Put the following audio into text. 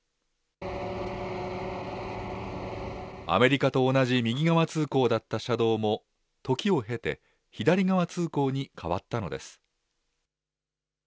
アメリカと同じ右側通行だった車道も、時を経て、左側通行に変わったのです。